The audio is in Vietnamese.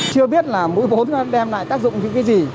chưa biết là mỗi bốn đem lại tác dụng những cái gì